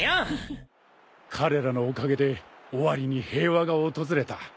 彼らのおかげでオワリに平和が訪れた。